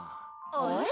あれ？